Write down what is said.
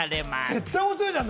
絶対、面白いじゃん！